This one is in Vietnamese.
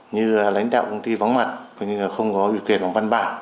như lãnh đạo công ty vắng mặt không có ủy quyền bằng văn bản